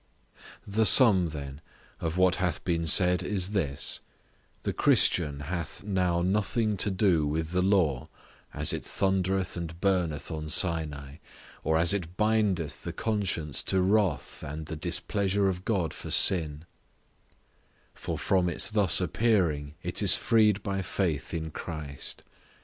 The sum, then, of what hath been said is this—The Christian hath now nothing to do with the law, as it thundereth and burneth on Sinai, or as it bindeth the conscience to wrath and the displeasure of God for sin; for from its thus appearing, it is freed by faith in Christ.